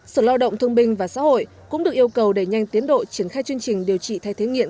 sở lao động thương minh và xã hội cũng được yêu cầu để nhanh tiến đội triển khai chương trình điều trị thay thế nghiện